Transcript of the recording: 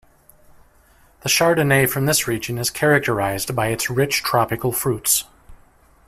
The Chardonnay from this region is characterized by its rich, tropical fruits.